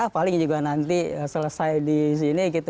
paling juga nanti selesai di sini gitu